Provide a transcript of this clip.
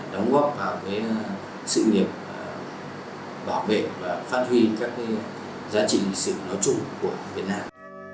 đóng góp vào sự nghiệp bảo vệ và phát huy các giá trị lịch sử nói chung của việt nam